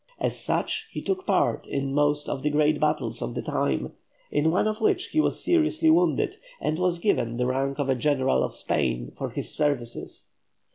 As such he took part in most of the great battles of the time, in one of which he was seriously wounded, and was given the rank of a General of Spain for his services.